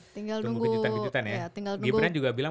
tinggal tunggu kejutan kejutan ya